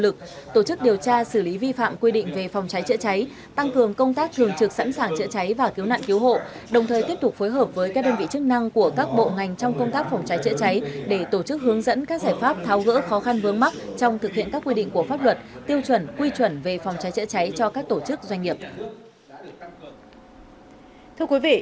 cảnh sát phòng cháy chữa cháy công an các đơn vị địa phương chủ động công tác phù hợp với các đơn vị chức năng của các bộ ngành trong công tác phòng cháy chữa cháy để tổ chức hướng dẫn các giải pháp tháo gỡ khó khăn vướng mắt trong thực hiện các quy định của pháp luật tiêu chuẩn quy chuẩn về phòng cháy chữa cháy cho các tổ chức doanh nghiệp